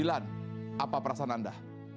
apa perasaan anda